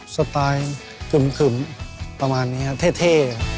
สไตล์กึ่มประมาณนี้ครับเท่